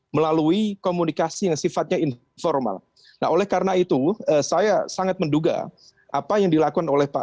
melalui komunikasi yang sifatnya informal nah oleh karena itu saya sangat menduga apa yang dilakukan oleh pak